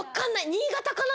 新潟かな？